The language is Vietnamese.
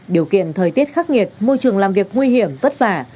điều kiện thời tiết khắc nghiệt môi trường làm việc nguy hiểm vất vả